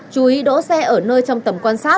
chú ý đỗ xe ở nơi trong tầm quan sát